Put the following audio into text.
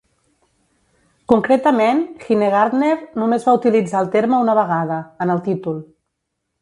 Concretament, Hinegardner només va utilitzar el terme una vegada: en el títol.